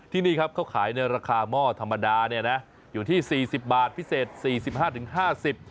ที่นี่ครับเขาขายราคาหม้อธรรมดาเนี่ยนะอยู่ที่๔๐บาทพิเศษ๔๕๕๐บาท